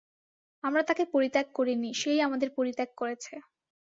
আমরা তাকে পরিত্যাগ করি নি, সেই আমাদের পরিত্যাগ করেছে।